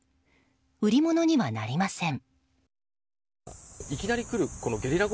売り物にはなりません。